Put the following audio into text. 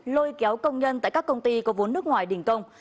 lôi kéo công nhân tại các công ty có vốn nước ngoài đình công